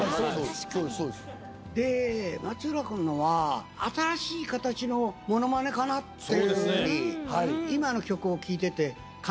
で松浦君のは新しい形のものまねかなっていうふうに今の曲を聴いてて感じました。